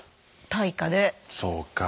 そうか。